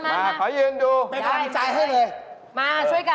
เห้ยเออของผมมีเชือก